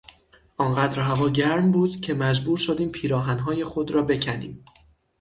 آنقدر هوا گرم بود که مجبور شدیم پیراهنهای خود را بکنیم.